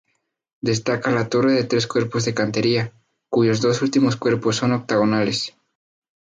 Destaca la torre de tres cuerpos de cantería, cuyos dos últimos cuerpos son octogonales.